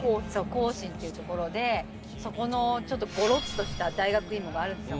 興伸っていうところでそこのちょっとゴロッとした大学芋があるんですよ。